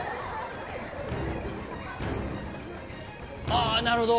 あぁなるほど！